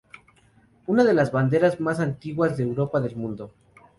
Una de las banderas más antiguas de Europa y del mundo.